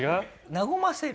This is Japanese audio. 和ませる？